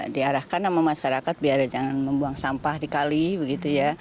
diarahkan sama masyarakat biar jangan membuang sampah dikali begitu ya